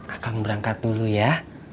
akang berangkat dulu ya